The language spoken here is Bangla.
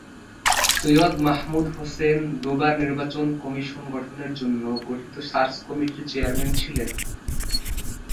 সৈয়দ মাহমুদ হোসেন দু’বার নির্বাচন কমিশন গঠনের জন্য গঠিত সার্চ কমিটির চেয়ারম্যান ছিলেন।